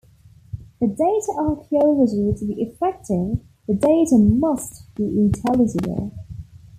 For data archaeology to be effective the data must be intelligible.